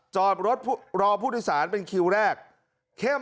จอดรถรอผู้ธุรกิจสารเป็นคิลแรกเข้มเนี้ย